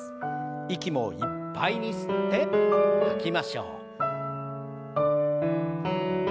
息もいっぱいに吸って吐きましょう。